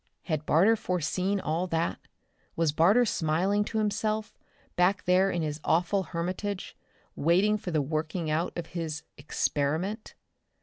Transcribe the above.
Had Barter foreseen all that? Was Barter smiling to himself, back there in his awful hermitage, waiting for the working out of his "experiment"?